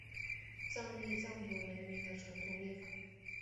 藏历藏族人民的传统历法。